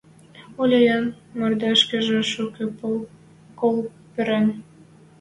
Оляйын мордашкыжы шукы кол пырен...